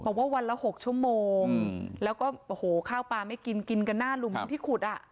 วันละ๖ชั่วโมงแล้วก็โอ้โหข้าวปลาไม่กินกินกันหน้าหลุมที่ขุดอ่ะ